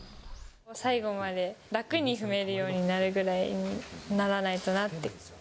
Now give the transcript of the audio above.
最後まで楽に踏めるようになるくらいにならないとなって。